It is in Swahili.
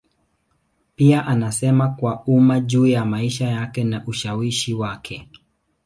Pia anasema kwa umma juu ya maisha yake na ushawishi wake.